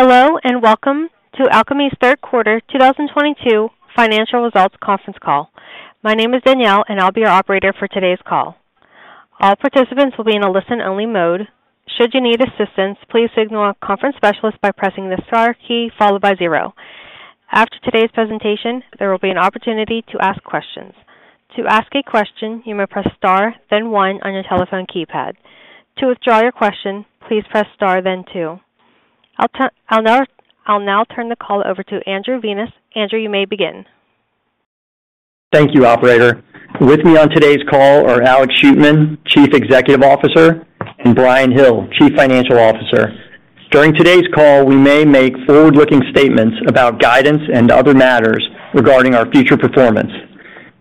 Hello, and welcome to Alkami's third quarter 2022 financial results conference call. My name is Danielle, and I'll be your operator for today's call. All participants will be in a listen-only mode. Should you need assistance, please signal a conference specialist by pressing the * key followed by 0. After today's presentation, there will be an opportunity to ask questions. To ask a question, you may press * then 1 on your telephone keypad. To withdraw your question, please press * then 2. I'll now turn the call over to Andrew Vinas. Andrew, you may begin. Thank you, operator. With me on today's call are Alex Shootman, Chief Executive Officer, and Bryan Hill, Chief Financial Officer. During today's call, we may make forward-looking statements about guidance and other matters regarding our future performance.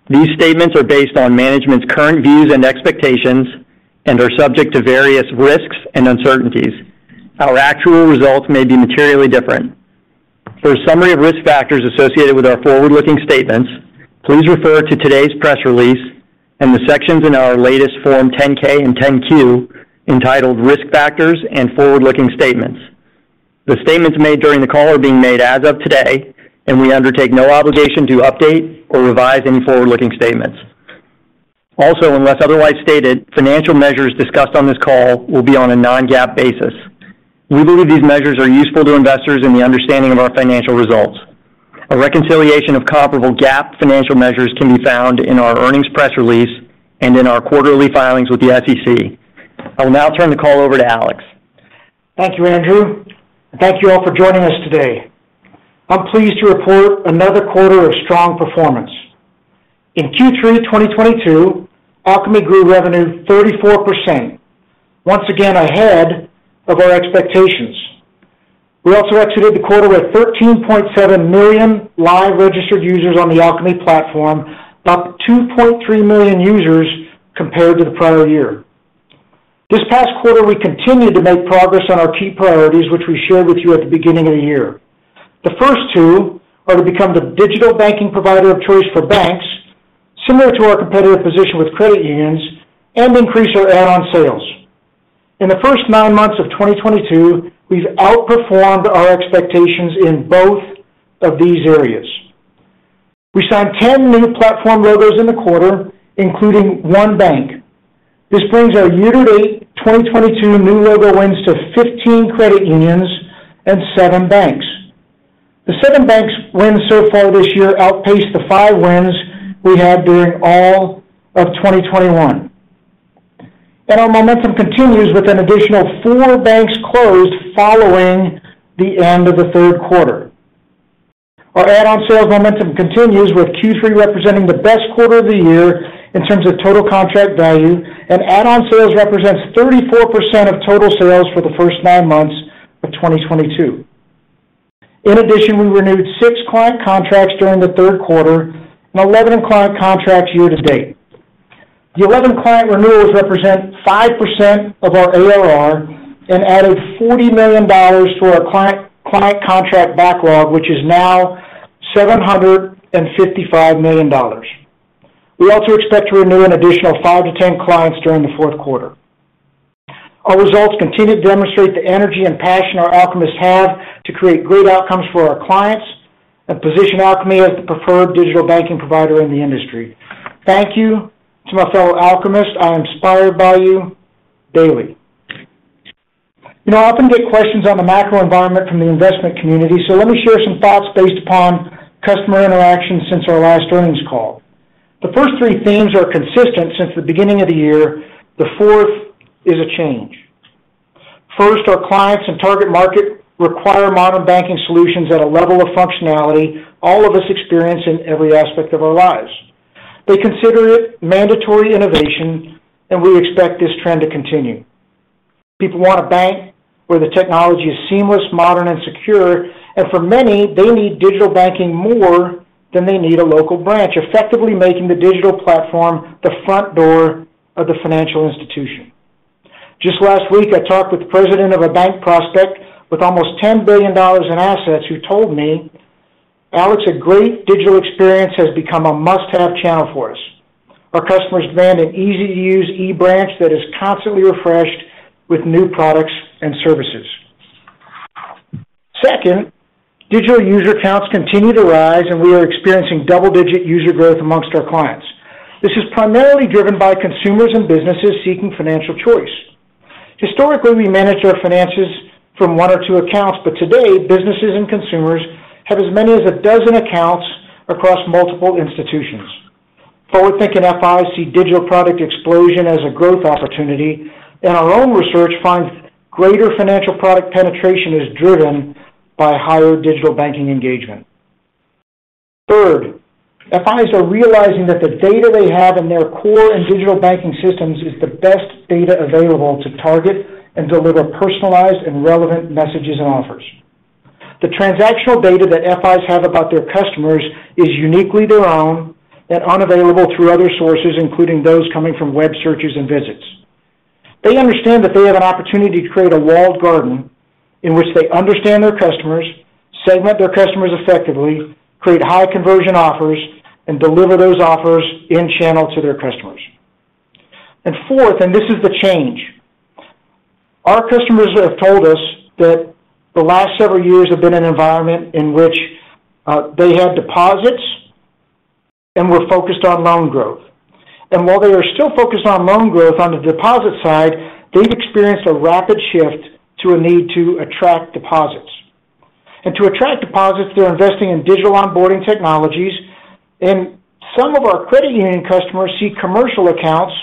These statements are based on management's current views and expectations and are subject to various risks and uncertainties. Our actual results may be materially different. For a summary of risk factors associated with our forward-looking statements, please refer to today's press release and the sections in our latest Form 10-K and 10-Q entitled Risk Factors and Forward-Looking Statements. The statements made during the call are being made as of today, and we undertake no obligation to update or revise any forward-looking statements. Also, unless otherwise stated, financial measures discussed on this call will be on a non-GAAP basis. We believe these measures are useful to investors in the understanding of our financial results. A reconciliation of comparable GAAP financial measures can be found in our earnings press release and in our quarterly filings with the SEC. I will now turn the call over to Alex. Thank you, Andrew. Thank you all for joining us today. I'm pleased to report another quarter of strong performance. In Q3 2022, Alkami grew revenue 34%, once again ahead of our expectations. We also exited the quarter with 13.7 million live registered users on the Alkami platform, up 2.3 million users compared to the prior year. This past quarter, we continued to make progress on our key priorities, which we shared with you at the beginning of the year. The first two are to become the digital banking provider of choice for banks, similar to our competitive position with credit unions, and increase our add-on sales. In the first nine months of 2022, we've outperformed our expectations in both of these areas. We signed 10 new platform logos in the quarter, including one bank. This brings our year-to-date 2022 new logo wins to 15 credit unions and 7 banks. The 7 banks wins so far this year outpaced the 5 wins we had during all of 2021. Our momentum continues with an additional 4 banks closed following the end of the third quarter. Our add-on sales momentum continues, with Q3 representing the best quarter of the year in terms of total contract value, and add-on sales represents 34% of total sales for the first nine months of 2022. In addition, we renewed 6 client contracts during the third quarter and 11 client contracts year to date. The 11 client renewals represent 5% of our ARR and added $40 million to our client contract backlog, which is now $755 million. We also expect to renew an additional 5-10 clients during the fourth quarter. Our results continue to demonstrate the energy and passion our Alchemists have to create great outcomes for our clients and position Alkami as the preferred digital banking provider in the industry. Thank you to my fellow Alchemists. I am inspired by you daily. I often get questions on the macro environment from the investment community, so let me share some thoughts based upon customer interactions since our last earnings call. The first three themes are consistent since the beginning of the year. The fourth is a change. First, our clients and target market require modern banking solutions at a level of functionality all of us experience in every aspect of our lives. They consider it mandatory innovation, and we expect this trend to continue. People want a bank where the technology is seamless, modern and secure. For many, they need digital banking more than they need a local branch, effectively making the digital platform the front door of the financial institution. Just last week, I talked with the president of a bank prospect with almost $10 billion in assets who told me, "Alex, a great digital experience has become a must-have channel for us. Our customers demand an easy-to-use e-branch that is constantly refreshed with new products and services." Second, digital user counts continue to rise, and we are experiencing double-digit user growth amongst our clients. This is primarily driven by consumers and businesses seeking financial choice. Historically, we managed our finances from one or two accounts, but today, businesses and consumers have as many as a dozen accounts across multiple institutions. Forward-thinking FIs see digital product explosion as a growth opportunity, and our own research finds greater financial product penetration is driven by higher digital banking engagement. Third, FIs are realizing that the data they have in their core and digital banking systems is the best data available to target and deliver personalized and relevant messages and offers. The transactional data that FIs have about their customers is uniquely their own and unavailable through other sources, including those coming from web searches and visits. They understand that they have an opportunity to create a walled garden in which they understand their customers, segment their customers effectively, create high conversion offers, and deliver those offers in channel to their customers. Fourth, and this is the change. Our customers have told us that the last several years have been an environment in which they had deposits and were focused on loan growth. While they are still focused on loan growth on the deposit side, they've experienced a rapid shift to a need to attract deposits. To attract deposits, they're investing in digital onboarding technologies, and some of our credit union customers see commercial accounts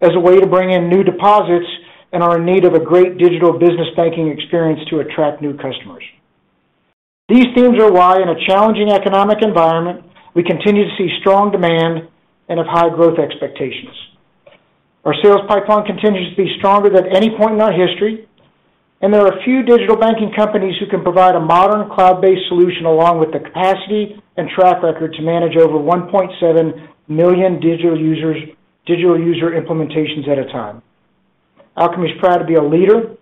as a way to bring in new deposits and are in need of a great digital business banking experience to attract new customers. These themes are why, in a challenging economic environment, we continue to see strong demand and have high growth expectations. Our sales pipeline continues to be stronger than any point in our history, and there are a few digital banking companies who can provide a modern cloud-based solution, along with the capacity and track record to manage over 1.7 million digital user implementations at a time. Alkami's proud to be a leader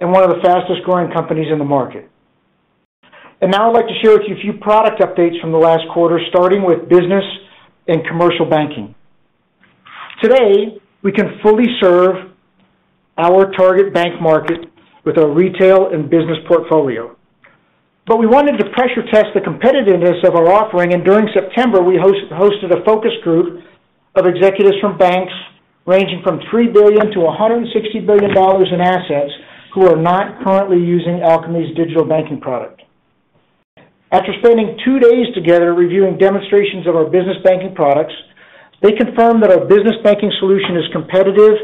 and one of the fastest-growing companies in the market. Now I'd like to share with you a few product updates from the last quarter, starting with business and commercial banking. Today, we can fully serve our target bank market with our retail and business portfolio. We wanted to pressure test the competitiveness of our offering, and during September, we hosted a focus group of executives from banks ranging from $3 billion-$160 billion in assets who are not currently using Alkami's digital banking product. After spending two days together reviewing demonstrations of our business banking products, they confirmed that our business banking solution is competitive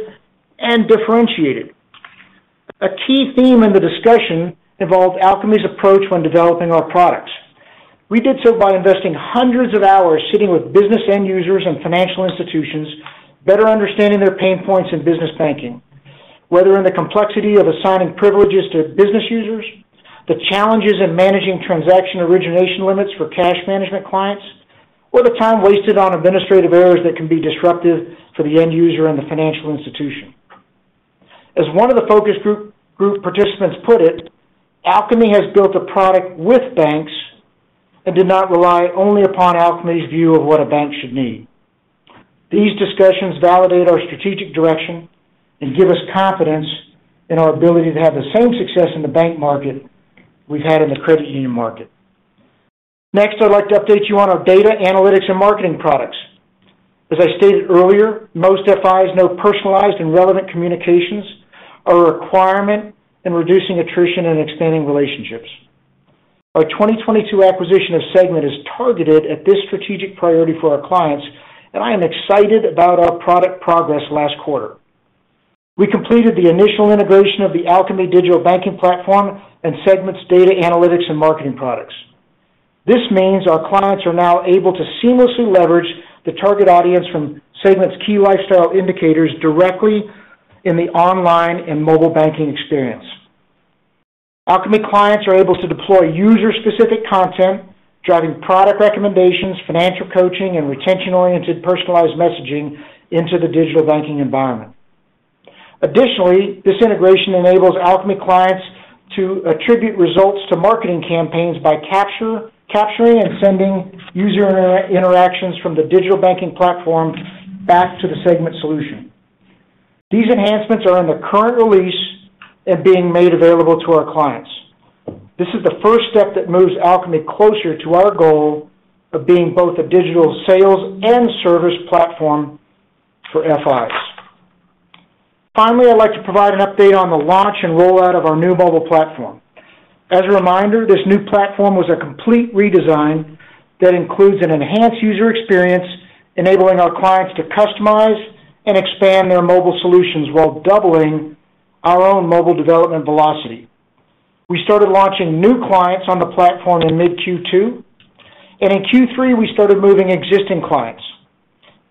and differentiated. A key theme in the discussion involved Alkami's approach when developing our products. We did so by investing hundreds of hours sitting with business end users and financial institutions, better understanding their pain points in business banking, whether in the complexity of assigning privileges to business users, the challenges in managing transaction origination limits for cash management clients, or the time wasted on administrative errors that can be disruptive to the end user and the financial institution. As one of the focus group participants put it, "Alkami has built a product with banks and did not rely only upon Alkami's view of what a bank should need." These discussions validate our strategic direction and give us confidence in our ability to have the same success in the bank market we've had in the credit union market. Next, I'd like to update you on our data, analytics, and marketing products. As I stated earlier, most FIs know personalized and relevant communications are a requirement in reducing attrition and expanding relationships. Our 2022 acquisition of Segmint is targeted at this strategic priority for our clients, and I am excited about our product progress last quarter. We completed the initial integration of the Alkami Digital Banking Platform and Segmint's data analytics and marketing products. This means our clients are now able to seamlessly leverage the target audience from Segmint's Key Lifestyle Indicators directly in the online and mobile banking experience. Alkami clients are able to deploy user-specific content, driving product recommendations, financial coaching, and retention-oriented personalized messaging into the digital banking environment. Additionally, this integration enables Alkami clients to attribute results to marketing campaigns by capturing and sending user interactions from the digital banking platform back to the Segmint solution. These enhancements are in the current release and being made available to our clients. This is the first step that moves Alkami closer to our goal of being both a digital sales and service platform for FIs. Finally, I'd like to provide an update on the launch and rollout of our new mobile platform. As a reminder, this new platform was a complete redesign that includes an enhanced user experience, enabling our clients to customize and expand their mobile solutions while doubling our own mobile development velocity. We started launching new clients on the platform in mid-Q2, and in Q3, we started moving existing clients.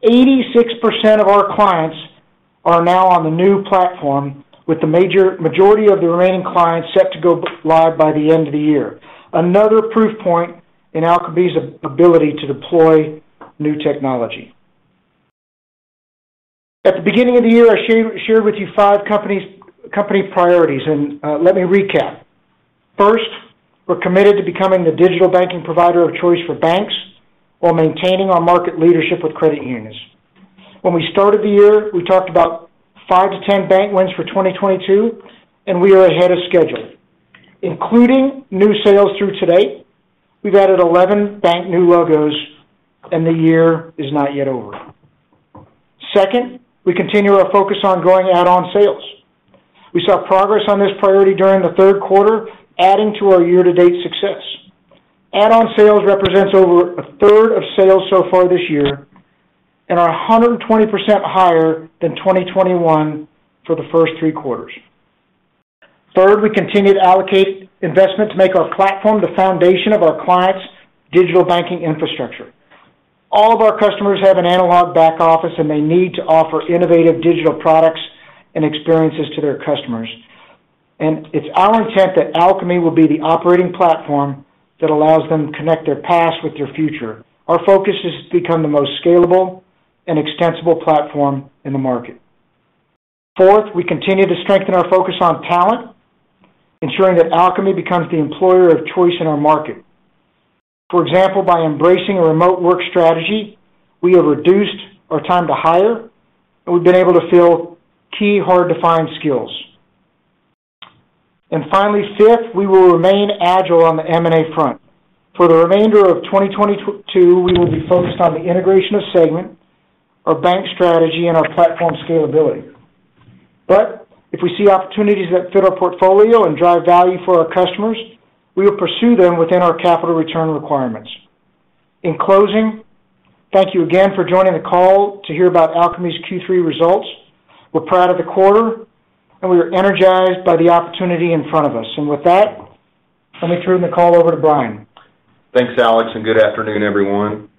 86% of our clients are now on the new platform, with the majority of the remaining clients set to go live by the end of the year. Another proof point in Alkami's ability to deploy new technology. At the beginning of the year, I shared with you five company priorities, and let me recap. First, we're committed to becoming the digital banking provider of choice for banks while maintaining our market leadership with credit unions. When we started the year, we talked about 5-10 bank wins for 2022, and we are ahead of schedule. Including new sales through to date, we've added 11 bank new logos, and the year is not yet over. Second, we continue our focus on growing add-on sales. We saw progress on this priority during the third quarter, adding to our year-to-date success. Add-on sales represents over 1/3 of sales so far this year and are 120% higher than 2021 for the first three quarters. Third, we continue to allocate investment to make our platform the foundation of our clients' digital banking infrastructure. All of our customers have an analog back office, and they need to offer innovative digital products and experiences to their customers. It's our intent that Alkami will be the operating platform that allows them to connect their past with their future. Our focus is to become the most scalable and extensible platform in the market. Fourth, we continue to strengthen our focus on talent, ensuring that Alkami becomes the employer of choice in our market. For example, by embracing a remote work strategy, we have reduced our time to hire, and we've been able to fill key hard-to-find skills. Finally, fifth, we will remain agile on the M&A front. For the remainder of 2022, we will be focused on the integration of Segmint, our bank strategy, and our platform scalability. If we see opportunities that fit our portfolio and drive value for our customers, we will pursue them within our capital return requirements. In closing, thank you again for joining the call to hear about Alkami's Q3 results. We're proud of the quarter, and we are energized by the opportunity in front of us. With that, let me turn the call over to Bryan. Thanks, Alex, and good afternoon, everyone.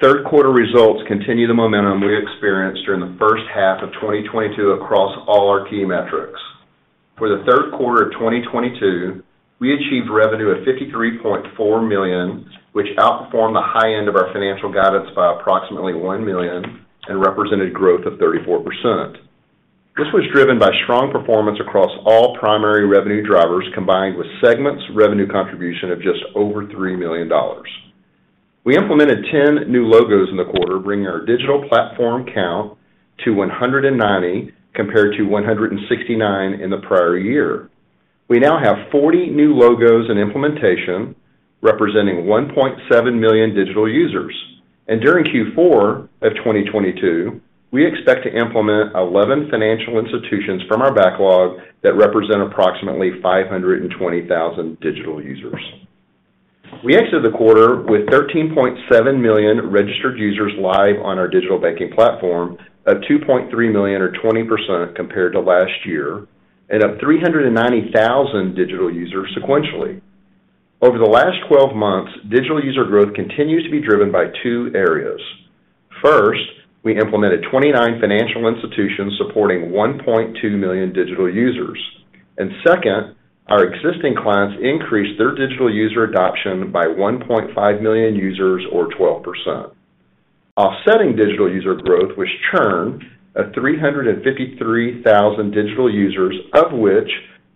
Third quarter results continue the momentum we experienced during the first half of 2022 across all our key metrics. For the third quarter of 2022, we achieved revenue of $53.4 million, which outperformed the high end of our financial guidance by approximately $1 million and represented growth of 34%. This was driven by strong performance across all primary revenue drivers, combined with Segmint's revenue contribution of just over $3 million. We implemented 10 new logos in the quarter, bringing our digital platform count to 190 compared to 169 in the prior year. We now have 40 new logos in implementation, representing 1.7 million digital users. During Q4 of 2022, we expect to implement 11 financial institutions from our backlog that represent approximately 520,000 digital users. We exited the quarter with 13.7 million registered users live on our digital banking platform, up 2.3 million or 20% compared to last year, and up 390,000 digital users sequentially. Over the last 12 months, digital user growth continues to be driven by two areas. First, we implemented 29 financial institutions supporting 1.2 million digital users. Second, our existing clients increased their digital user adoption by 1.5 million users or 12%. Offsetting digital user growth was churn of 353,000 digital users, of which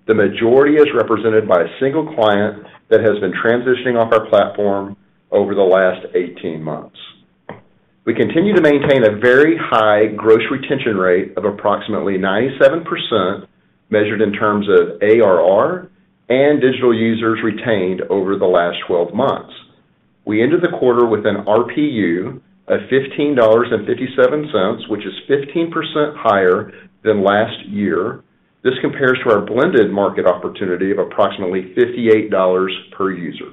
the majority is represented by a single client that has been transitioning off our platform over the last 18 months. We continue to maintain a very high gross retention rate of approximately 97%, measured in terms of ARR and digital users retained over the last 12 months. We ended the quarter with an RPU of $15.57, which is 15% higher than last year. This compares to our blended market opportunity of approximately $58 per user.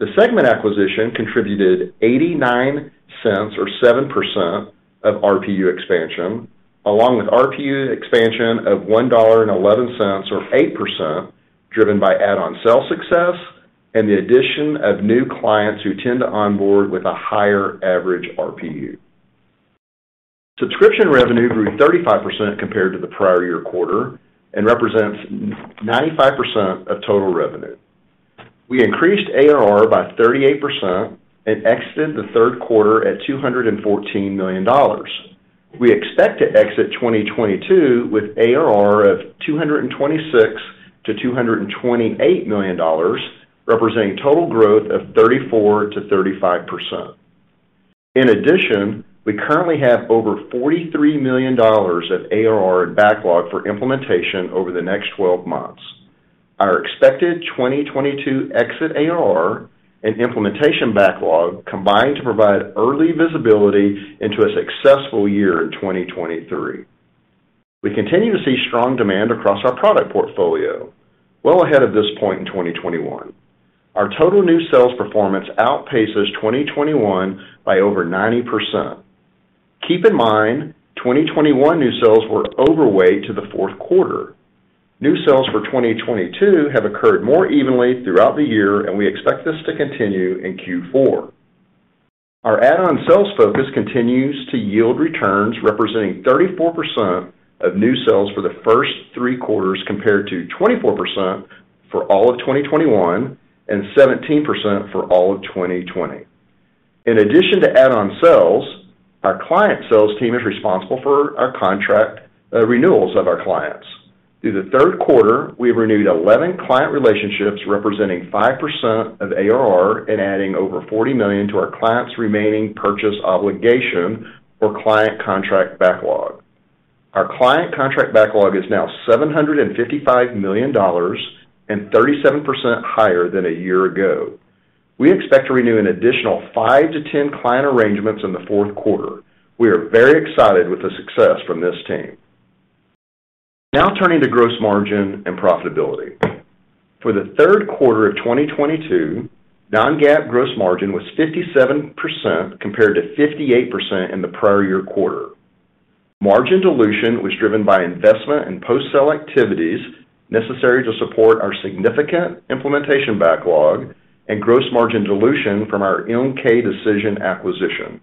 The segment acquisition contributed $0.89 or 7% of RPU expansion, along with RPU expansion of $1.11 or 8%, driven by add-on sale success and the addition of new clients who tend to onboard with a higher average RPU. Subscription revenue grew 35% compared to the prior year quarter and represents ninety-five percent of total revenue. We increased ARR by 38% and exited the third quarter at $214 million. We expect to exit 2022 with ARR of $226 million-$228 million, representing total growth of 34%-35%. In addition, we currently have over $43 million of ARR in backlog for implementation over the next 12 months. Our expected 2022 exit ARR and implementation backlog combined to provide early visibility into a successful year in 2023. We continue to see strong demand across our product portfolio well ahead of this point in 2021. Our total new sales performance outpaces 2021 by over 90%. Keep in mind, 2021 new sales were overweight to the fourth quarter. New sales for 2022 have occurred more evenly throughout the year, and we expect this to continue in Q4. Our add-on sales focus continues to yield returns representing 34% of new sales for the first three quarters compared to 24% for all of 2021 and 17% for all of 2020. In addition to add-on sales, our client sales team is responsible for our contract renewals of our clients. Through the third quarter, we've renewed 11 client relationships representing 5% of ARR and adding over $40 million to our clients' remaining purchase obligation or client contract backlog. Our client contract backlog is now $755 million and 37% higher than a year ago. We expect to renew an additional 5-10 client arrangements in the fourth quarter. We are very excited with the success from this team. Now turning to gross margin and profitability. For the third quarter of 2022, non-GAAP gross margin was 57% compared to 58% in the prior year quarter. Margin dilution was driven by investment in post-sale activities necessary to support our significant implementation backlog and gross margin dilution from our MK Decision acquisition.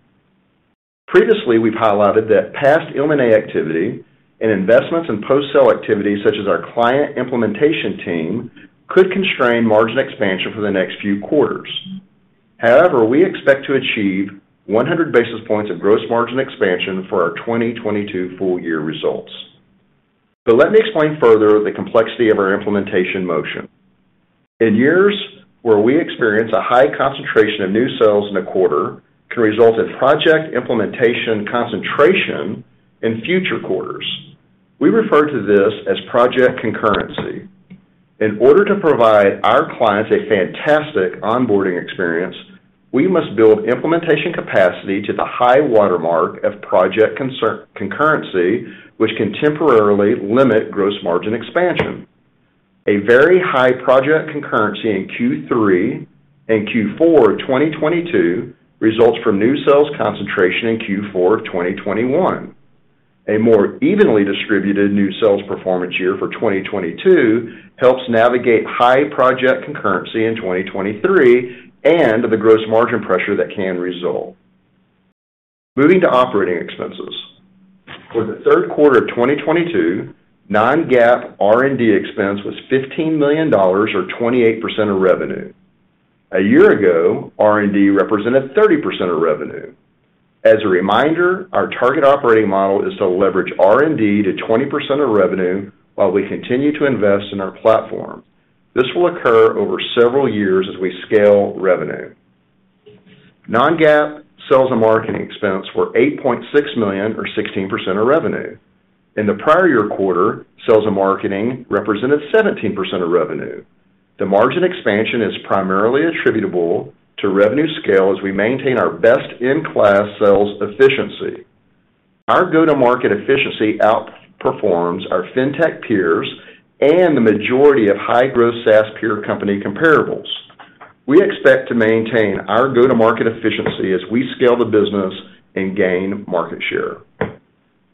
Previously, we've highlighted that past M&A activity and investments in post-sale activities such as our client implementation team could constrain margin expansion for the next few quarters. However, we expect to achieve 100 basis points of gross margin expansion for our 2022 full year results. Let me explain further the complexity of our implementation motion. In years where we experience a high concentration of new sales in a quarter can result in project implementation concentration in future quarters. We refer to this as project concurrency. In order to provide our clients a fantastic onboarding experience, we must build implementation capacity to the high watermark of project concurrency, which can temporarily limit gross margin expansion. A very high project concurrency in Q3 and Q4 2022 results from new sales concentration in Q4 2021. A more evenly distributed new sales performance year for 2022 helps navigate high project concurrency in 2023 and the gross margin pressure that can result. Moving to operating expenses. For the third quarter of 2022, non-GAAP R&D expense was $15 million or 28% of revenue. A year ago, R&D represented 30% of revenue. As a reminder, our target operating model is to leverage R&D to 20% of revenue while we continue to invest in our platform. This will occur over several years as we scale revenue. Non-GAAP sales and marketing expense were $8.6 million or 16% of revenue. In the prior year quarter, sales and marketing represented 17% of revenue. The margin expansion is primarily attributable to revenue scale as we maintain our best-in-class sales efficiency. Our go-to-market efficiency outperforms our fintech peers and the majority of high-growth SaaS peer company comparables. We expect to maintain our go-to-market efficiency as we scale the business and gain market share.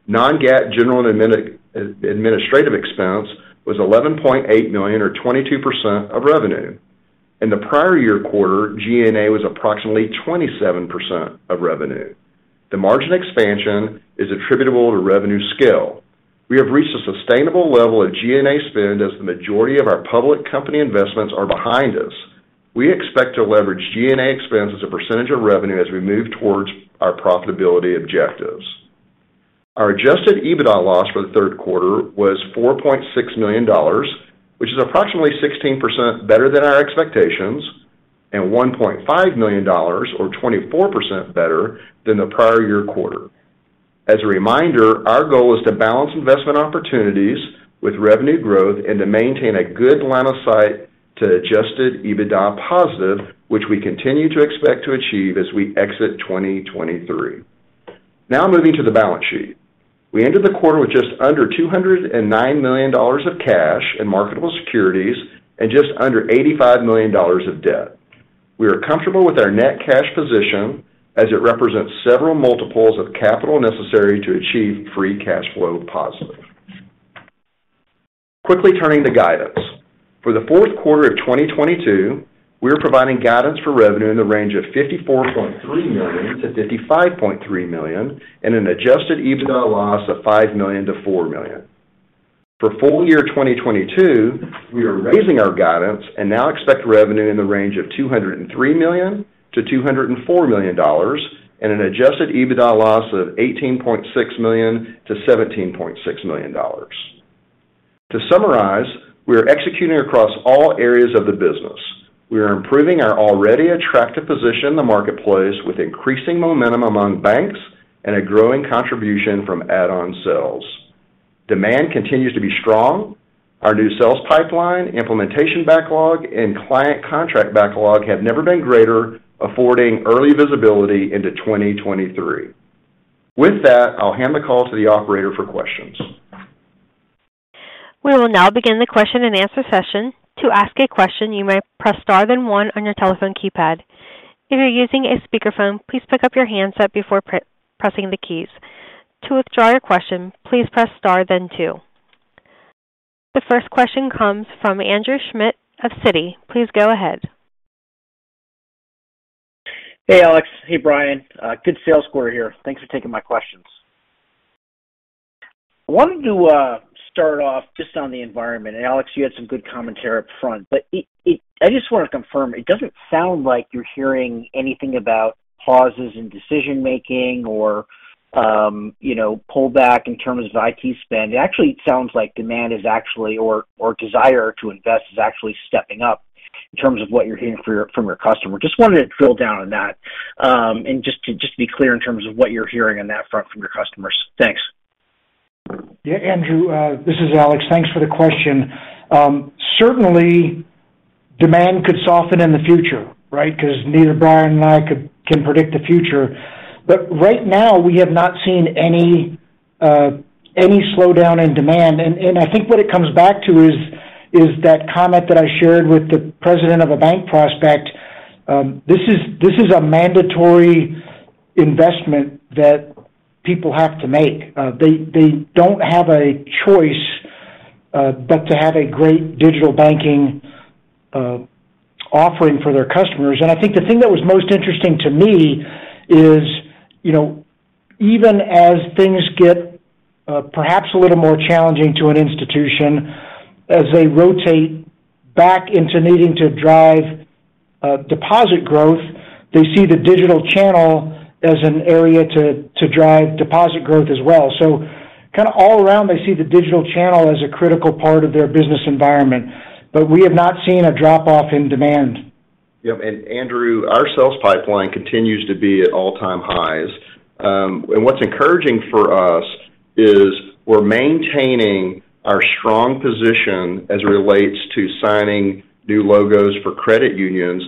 Non-GAAP general and administrative expense was $11.8 million or 22% of revenue. In the prior year quarter, G&A was approximately 27% of revenue. The margin expansion is attributable to revenue scale. We have reached a sustainable level of G&A spend as the majority of our public company investments are behind us. We expect to leverage G&A expense as a percentage of revenue as we move towards our profitability objectives. Our adjusted EBITDA loss for the third quarter was $4.6 million, which is approximately 16% better than our expectations and $1.5 million or 24% better than the prior year quarter. As a reminder, our goal is to balance investment opportunities with revenue growth and to maintain a good line of sight to adjusted EBITDA positive, which we continue to expect to achieve as we exit 2023. Now moving to the balance sheet. We ended the quarter with just under $209 million of cash and marketable securities and just under $85 million of debt. We are comfortable with our net cash position as it represents several multiples of capital necessary to achieve free cash flow positive. Quickly turning to guidance. For the fourth quarter of 2022, we are providing guidance for revenue in the range of $54.3 million-$55.3 million and an adjusted EBITDA loss of $5 million-$4 million. For full year 2022, we are raising our guidance and now expect revenue in the range of $203 million-$204 million and an adjusted EBITDA loss of $18.6 million-$17.6 million. To summarize, we are executing across all areas of the business. We are improving our already attractive position in the marketplace with increasing momentum among banks and a growing contribution from add-on sales. Demand continues to be strong. Our new sales pipeline, implementation backlog, and client contract backlog have never been greater, affording early visibility into 2023. With that, I'll hand the call to the operator for questions. We will now begin the question-and-answer session. To ask a question, you may press star then one on your telephone keypad. If you're using a speakerphone, please pick up your handset before pressing the keys. To withdraw your question, please press star then two. The first question comes from Andrew Schmidt of Citi. Please go ahead. Hey, Alex. Hey, Bryan. Good sales quarter here. Thanks for taking my questions. I wanted to start off just on the environment. Alex, you had some good commentary up front, but I just want to confirm, it doesn't sound like you're hearing anything about pauses in decision-making or pullback in terms of IT spend. It actually sounds like demand is actually or desire to invest is actually stepping up in terms of what you're hearing from your customer. Just wanted to drill down on that, and just to be clear in terms of what you're hearing on that front from your customers. Thanks. Yeah, Andrew, this is Alex. Thanks for the question. Certainly demand could soften in the future, right? Because neither Bryan and I can predict the future. Right now we have not seen any slowdown in demand. I think what it comes back to is that comment that I shared with the president of a bank prospect. This is a mandatory investment that people have to make. They don't have a choice but to have a great digital banking offering for their customers. I think the thing that was most interesting to me is even as things get perhaps a little more challenging to an institution as they rotate back into needing to drive Deposit growth, they see the digital channel as an area to drive deposit growth as well. Kinda all around, they see the digital channel as a critical part of their business environment. We have not seen a drop off in demand. Yep. Andrew, our sales pipeline continues to be at all-time highs. What's encouraging for us is we're maintaining our strong position as it relates to signing new logos for credit unions.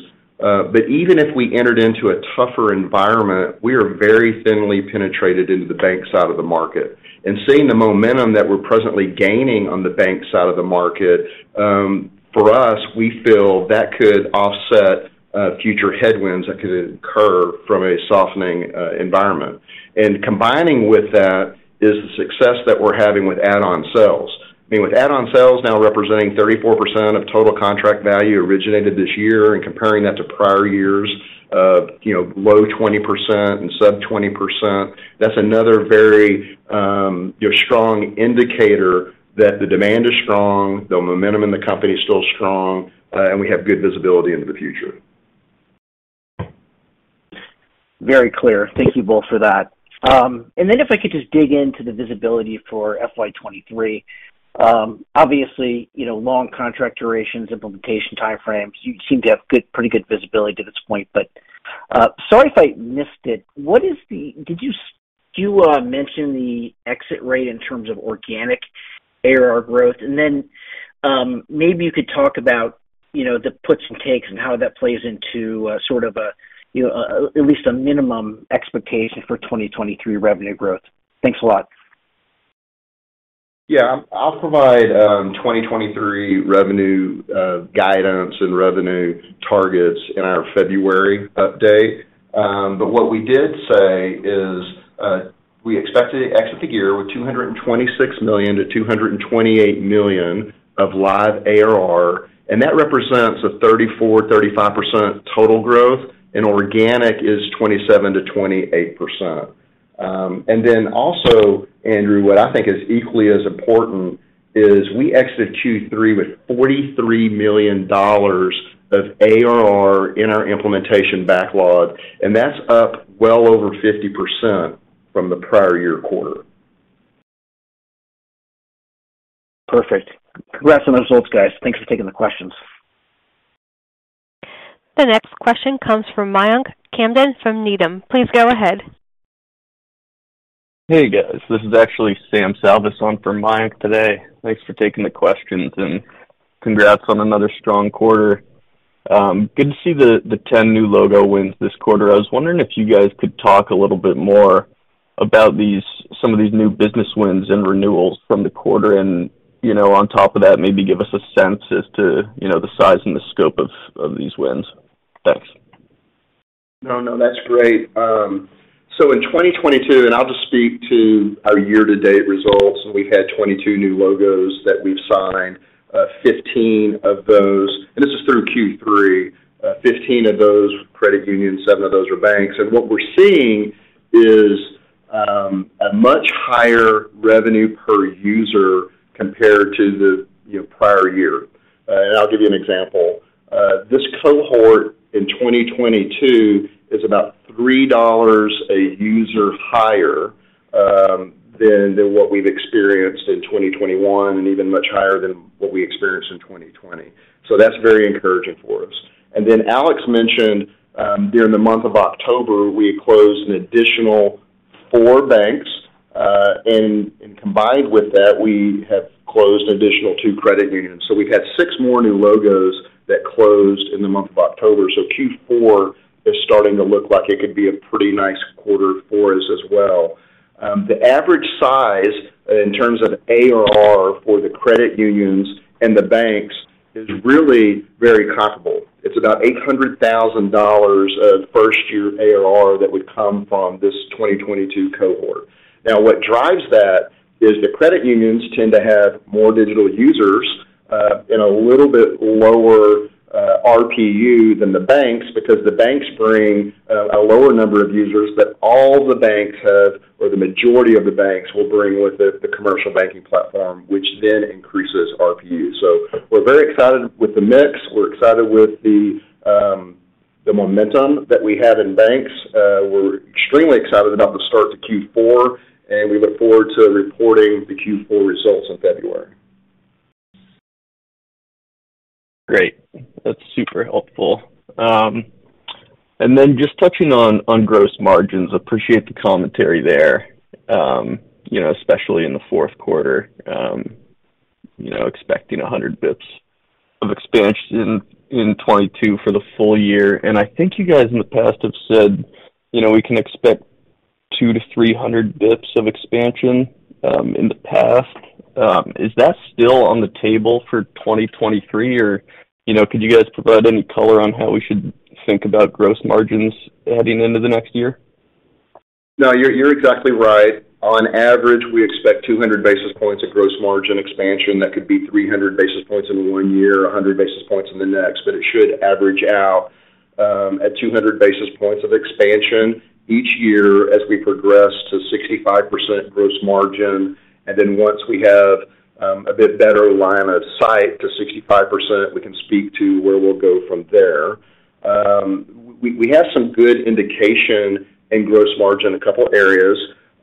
Even if we entered into a tougher environment, we are very thinly penetrated into the bank side of the market. Seeing the momentum that we're presently gaining on the bank side of the market, for us, we feel that could offset future headwinds that could occur from a softening environment. Combining with that is the success that we're having with add-on sales. I mean, with add-on sales now representing 34% of total contract value originated this year and comparing that to prior years of, low 20% and sub 20%, that's another very strong indicator that the demand is strong, the momentum in the company is still strong, and we have good visibility into the future. Very clear. Thank you both for that. If I could just dig into the visibility for FY 2023. Obviously, long contract durations, implementation time frames, you seem to have pretty good visibility to this point. Sorry if I missed it. Did you mention the exit rate in terms of organic ARR growth? Maybe you could talk about the puts and takes and how that plays into sort of a, at least a minimum expectation for 2023 revenue growth. Thanks a lot. Yeah. I'll provide 2023 revenue guidance and revenue targets in our February update. What we did say is we expect to exit the year with $226 million-$228 million of live ARR, and that represents 34%-35% total growth, and organic is 27%-28%. Also, Andrew, what I think is equally as important is we exit Q3 with $43 million of ARR in our implementation backlog, and that's up well over 50% from the prior year quarter. Perfect. Congrats on the results, guys. Thanks for taking the questions. The next question comes from Mayank Tandon from Needham. Please go ahead. Hey, guys. This is actually Sam Salvas on for Mayank today. Thanks for taking the questions, and congrats on another strong quarter. Good to see the 10 new logo wins this quarter. I was wondering if you guys could talk a little bit more about these, some of these new business wins and renewals from the quarter and on top of that, maybe give us a sense as to the size and the scope of these wins. Thanks. No, no, that's great. In 2022, I'll just speak to our year-to-date results, and we had 22 new logos that we've signed. This is through Q3. Fifteen of those were credit unions, seven of those were banks. What we're seeing is a much higher revenue per user compared to the prior year. I'll give you an example. This cohort in 2022 is about $3 a user higher than what we've experienced in 2021 and even much higher than what we experienced in 2020. That's very encouraging for us. Then Alex mentioned during the month of October, we had closed an additional four banks. Combined with that, we have closed an additional two credit unions. We've had six more new logos that closed in the month of October. Q4 is starting to look like it could be a pretty nice quarter for us as well. The average size in terms of ARR for the credit unions and the banks is really very comparable. It's about $800,000 of first-year ARR that would come from this 2022 cohort. Now, what drives that is the credit unions tend to have more digital users, and a little bit lower RPU than the banks because the banks bring a lower number of users that all the banks have, or the majority of the banks will bring with the commercial banking platform, which then increases RPU. We're very excited with the mix. We're excited with the momentum that we have in banks. We're extremely excited about the start to Q4, and we look forward to reporting the Q4 results in February. Great. That's super helpful. Just touching on gross margins. Appreciate the commentary there especially in the fourth quarter expecting 100 basis points of expansion in 2022 for the full year. I think you guys in the past have said, we can expect 200-300 basis points of expansion in the past. Is that still on the table for 2023? Or could you guys provide any color on how we should think about gross margins heading into the next year? No, you're exactly right. On average, we expect 200 basis points of gross margin expansion. That could be 300 basis points in one year, 100 basis points in the next. It should average out at 200 basis points of expansion each year as we progress to 65% gross margin. Once we have a bit better line of sight to 65%. We can speak to where we'll go from there. We have some good indication in gross margin, a couple areas.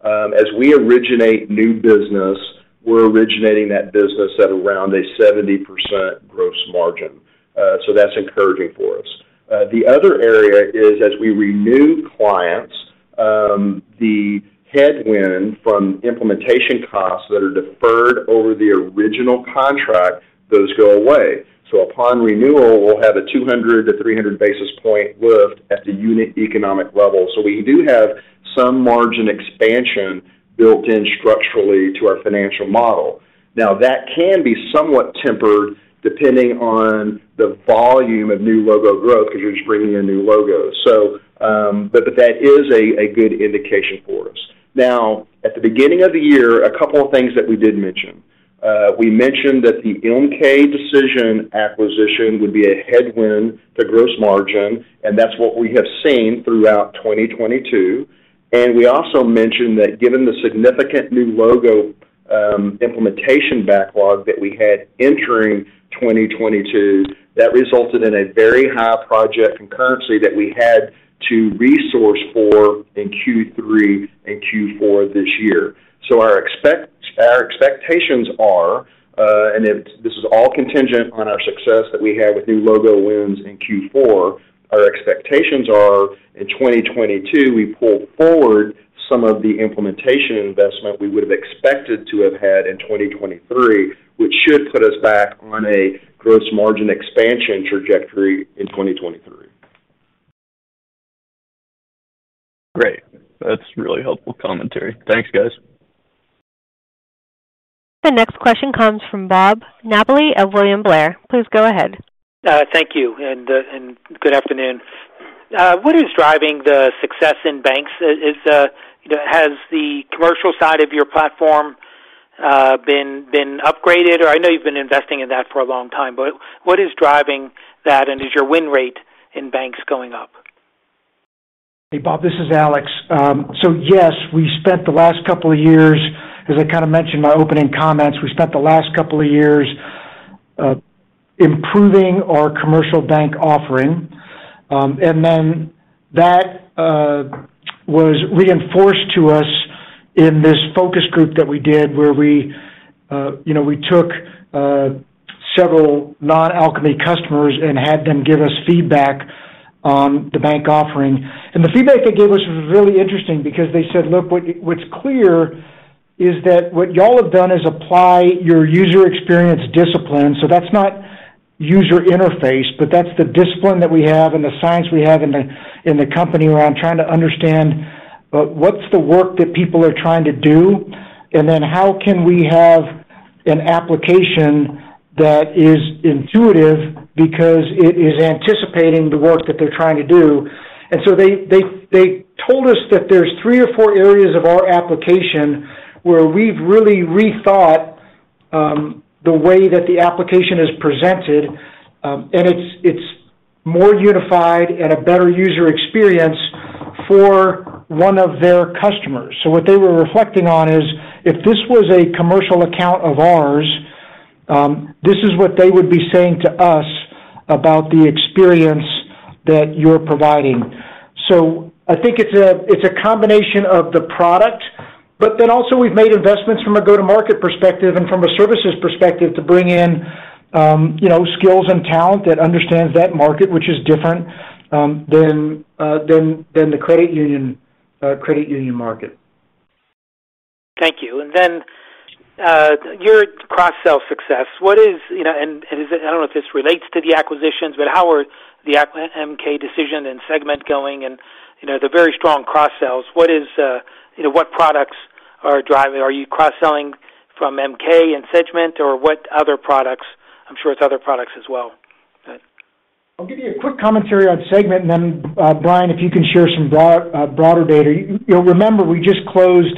As we originate new business, we're originating that business at around a 70% gross margin. So that's encouraging for us. The other area is, as we renew clients, the headwind from implementation costs that are deferred over the original contract, those go away. Upon renewal, we'll have a 200-300 basis point lift at the unit economic level. We do have some margin expansion built in structurally to our financial model. Now that can be somewhat tempered depending on the volume of new logo growth because you're just bringing in new logos. That is a good indication for us. Now, at the beginning of the year, a couple of things that we did mention. We mentioned that the MK Decision acquisition would be a headwind to gross margin, and that's what we have seen throughout 2022. We also mentioned that given the significant new logo implementation backlog that we had entering 2022, that resulted in a very high project concurrency that we had to resource for in Q3 and Q4 this year. Our expectations are, this is all contingent on our success that we have with new logo wins in Q4. Our expectations are in 2022, we pull forward some of the implementation investment we would have expected to have had in 2023, which should put us back on a gross margin expansion trajectory in 2023. Great. That's really helpful commentary. Thanks, guys. The next question comes from Bob Napoli of William Blair. Please go ahead. Thank you, good afternoon. What is driving the success in banks? Has the commercial side of your platform been upgraded? Or I know you've been investing in that for a long time, but what is driving that? Is your win rate in banks going up? Hey, Bob, this is Alex. Yes, we spent the last couple of years, as I kind of mentioned in my opening comments, improving our commercial bank offering. That was reinforced to us in this focus group that we did where we took several non-Alkami customers and had them give us feedback on the bank offering. The feedback they gave us was really interesting because they said, "Look, what's clear is that what y'all have done is apply your user experience discipline." That's not user interface, but that's the discipline that we have and the science we have in the company around trying to understand what's the work that people are trying to do, and then how can we have an application that is intuitive because it is anticipating the work that they're trying to do. They told us that there's three or four areas of our application where we've really rethought the way that the application is presented, and it's more unified and a better user experience for one of their customers. What they were reflecting on is, if this was a commercial account of ours, this is what they would be saying to us about the experience that you're providing. I think it's a combination of the product, but then also we've made investments from a go-to-market perspective and from a services perspective to bring in skills and talent that understands that market, which is different than the credit union market. Thank you. Your cross-sell success, what is, and is it, I don't know if this relates to the acquisitions, but how are the MK Decision and Segmint going and that the very strong cross-sells. What is what products are driving? Are you cross-selling from MK and Segmint or what other products? I'm sure it's other products as well. I'll give you a quick commentary on Segmint and then, Bryan, if you can share some broader data. You'll remember we just closed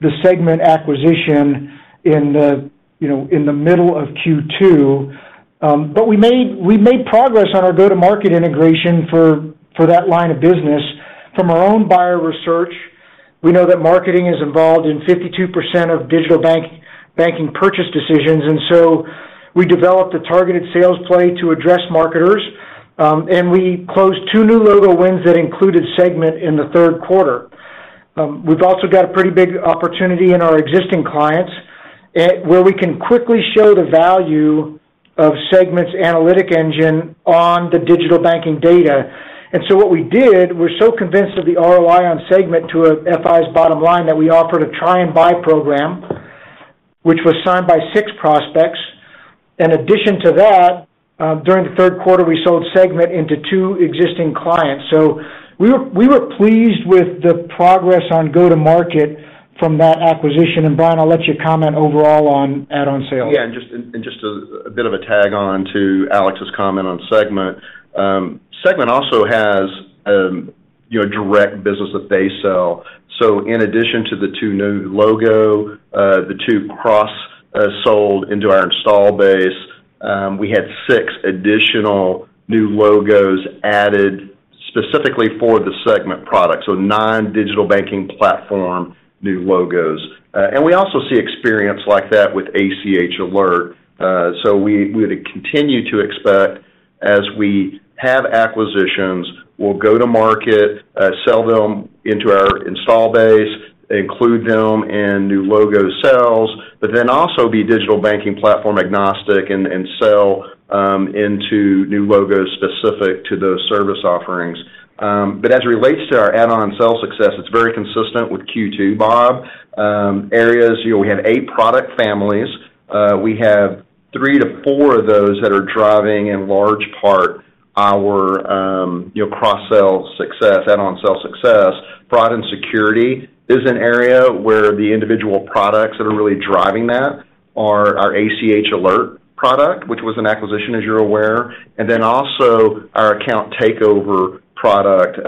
the Segmint acquisition in the, in the middle of Q2. We made progress on our go-to-market integration for that line of business. From our own buyer research, we know that marketing is involved in 52% of digital banking purchase decisions, and so we developed a targeted sales play to address marketers, and we closed two new logo wins that included Segmint in the third quarter. We've also got a pretty big opportunity in our existing clients where we can quickly show the value of Segmint's analytics engine on the digital banking data. What we did, we're so convinced of the ROI on Segmint to a FI's bottom line that we offered a try and buy program, which was signed by six prospects. In addition to that, during the third quarter, we sold Segmint into two existing clients. We were pleased with the progress on go-to-market from that acquisition. Bryan, I'll let you comment overall on add-on sales. Just a bit of a tag on to Alex's comment on Segmint. Segmint also has a direct business that they sell. In addition to the 2 new logos the 2 cross-sold into our installed base we had 6 additional new logos added. Specifically for the segment product, so non-digital banking platform, new logos. We also see experience like that with ACH Alert. We would continue to expect as we have acquisitions, we'll go to market, sell them into our install base, include them in new logo sales, but then also be digital banking platform agnostic and sell into new logos specific to those service offerings. As it relates to our add-on and sell success, it's very consistent with Q2, Bob. Areas, we have eight product families. We have three to four of those that are driving in large part our cross-sell success, add-on sell success. Fraud and security is an area where the individual products that are really driving that are our ACH Alert product, which was an acquisition, as you're aware. Our account takeover product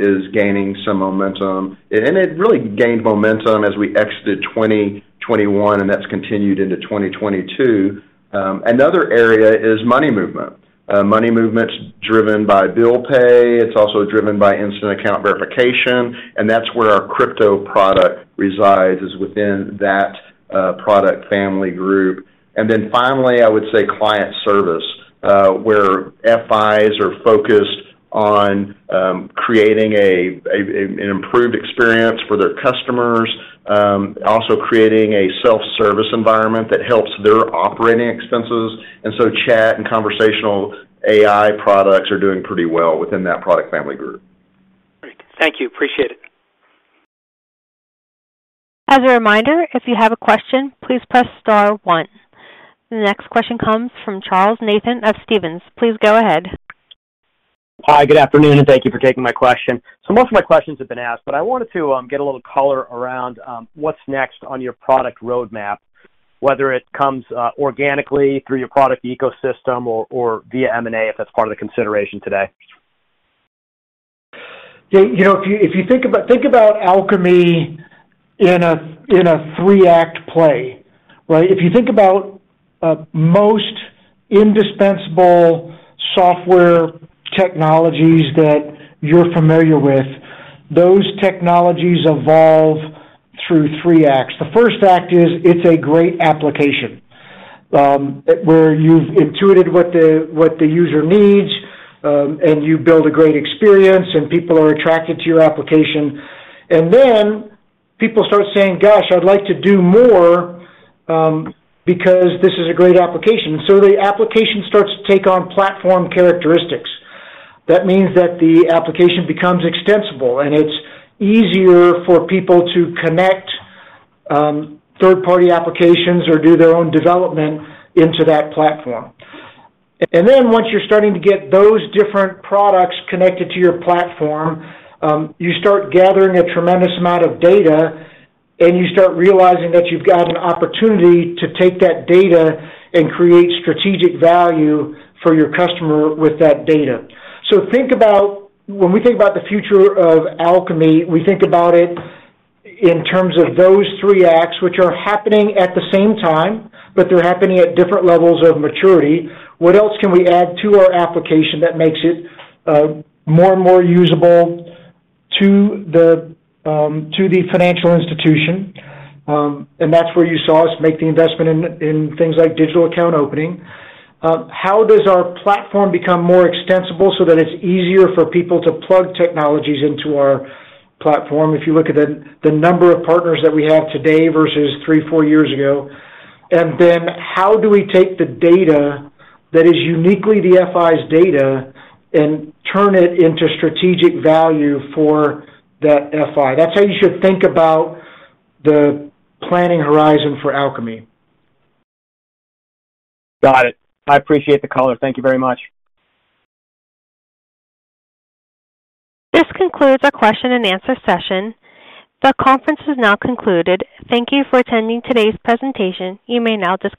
is gaining some momentum. It really gained momentum as we exited 2021, and that's continued into 2022. Another area is money movement. Money movement's driven by bill pay. It's also driven by instant account verification, and that's where our crypto product resides, is within that product family group. Finally, I would say client service, where FIs are focused on creating an improved experience for their customers, also creating a self-service environment that helps their operating expenses. Chat and conversational AI products are doing pretty well within that product family group. Great. Thank you. Appreciate it. As a reminder, if you have a question, please press star one. The next question comes from Charles Nabhan of Stephens. Please go ahead. Hi, good afternoon, and thank you for taking my question. Most of my questions have been asked, but I wanted to get a little color around what's next on your product roadmap, whether it comes organically through your product ecosystem or via M&A, if that's part of the consideration today. You know, if you think about Alkami in a three-act play, right? If you think about most indispensable software technologies that you're familiar with, those technologies evolve through three acts. The first act is it's a great application, where you've intuited what the user needs, and you build a great experience and people are attracted to your application. Then people start saying, "Gosh, I'd like to do more, because this is a great application." The application starts to take on platform characteristics. That means that the application becomes extensible, and it's easier for people to connect third-party applications or do their own development into that platform. Once you're starting to get those different products connected to your platform, you start gathering a tremendous amount of data, and you start realizing that you've got an opportunity to take that data and create strategic value for your customer with that data. Think about when we think about the future of Alkami, we think about it in terms of those three acts, which are happening at the same time, but they're happening at different levels of maturity. What else can we add to our application that makes it more and more usable to the financial institution? That's where you saw us make the investment in things like digital account opening. How does our platform become more extensible so that it's easier for people to plug technologies into our platform? If you look at the number of partners that we have today versus 3-4 years ago. How do we take the data that is uniquely the FI's data and turn it into strategic value for that FI? That's how you should think about the planning horizon for Alkami. Got it. I appreciate the color. Thank you very much. This concludes our question-and-answer session. The conference has now concluded. Thank you for attending today's presentation. You may now disconnect.